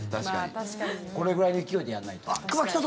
これくらいの勢いでやらないと。